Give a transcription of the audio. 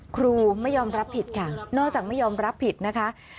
ครูไม่ยอมรับผิดค่ะนอกจากไม่ยอมรับผิดนะคะ